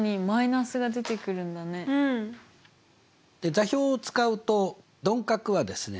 座標を使うと鈍角はですね